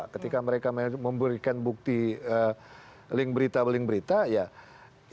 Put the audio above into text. ketika mereka memberikan bukti link berita link berita ya itu kewenangan masyarakat